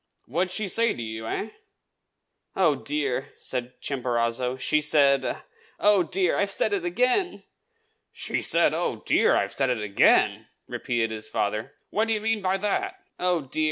What did she say to you, eh?" "Oh, dear!" said Chimborazo, "she said oh, dear! I've said it again!" "She said, 'Oh, dear! I've said it again!'" repeated his father. "What do you mean by that?" "Oh, dear!